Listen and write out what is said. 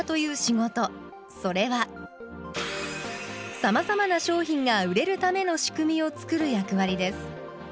それはさまざまな商品が売れるための仕組みを作る役割です。